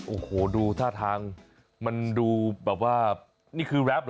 โอ้โหดูท่าทางมันดูแบบว่านี่คือแรปเหรอ